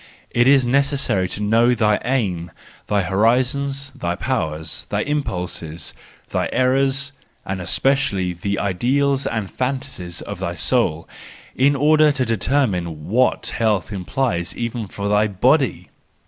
It is necessary to know thy aim, thy horizon, thy powers, thy impulses, thy errors, and especially the ideals and fantasies of thy soul, in order to determine what health implies even for thy body